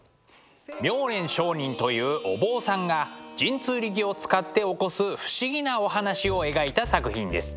命蓮上人というお坊さんが神通力を使って起こす不思議なお話を描いた作品です。